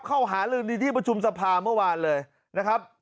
เข้าหาลืมในที่ประชุมสภาเมื่อวานเลยนะครับ